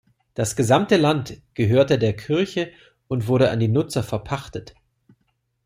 Das gesamte Land gehörte der Kirche und wurde an die Nutzer verpachtet.